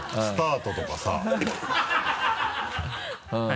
スタートは。